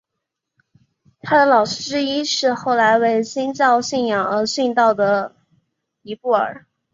他的老师之一是后来为新教信仰而殉道的迪布尔。